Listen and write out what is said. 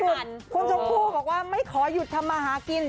หลักจุดคุณชมพู้บอกว่าไม่ขอยุดทำมหากิน